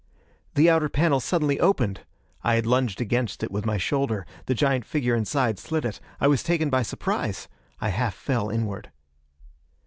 The outer panel suddenly opened! I had lunged against it with my shoulder; the giant figure inside slid it. I was taken by surprise! I half fell inward.